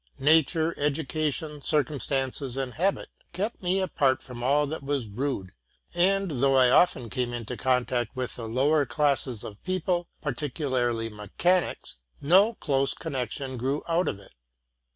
Nature, education, circumstances, and habit kept me apart from all that was rude; and though I often came into contact with the lower classes of people, particularly mechanics, no close connec tion grew out of it.